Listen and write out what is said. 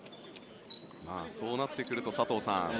そうなってくると佐藤さん